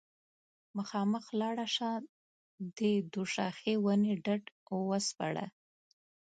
مخامخ لاړه شه د دوشاخې ونې ډډ وسپړه